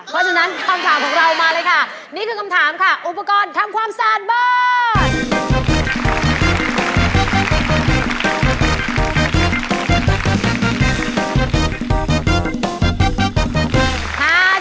เพราะฉะนั้นคำถามของเรามาเลยค่ะนี่คือคำถามค่ะอุปกรณ์ทำความสะอาดบ้าน